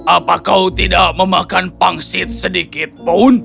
apa kau tidak memakan pangsit sedikitpun